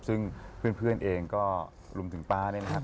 ซึ่งเพื่อนเองก็รวมถึงป้าเนี่ยนะครับ